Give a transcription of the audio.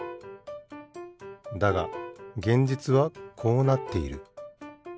だが現実はこうなっている。